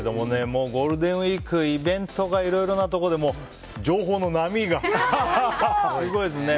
もうゴールデンウィークイベントがいろいろなところで情報の波がすごいですね。